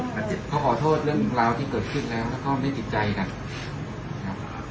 เขาขอโทษเรื่องราวที่เกิดขึ้นแล้วแล้วก็ไม่ติดใจกันครับ